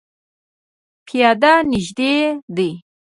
پیاده نږدې دی